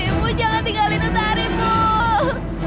ibu jangan tinggalin utari bu